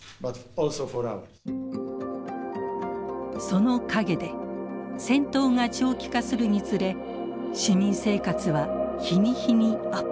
その陰で戦闘が長期化するにつれ市民生活は日に日に圧迫されていました。